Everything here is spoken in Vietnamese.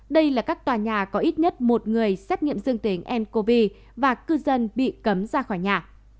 đây là các tòa nhà có ít nhất một người xét nghiệm dương tính ncov và cư dân bị cấm ra khỏi nhà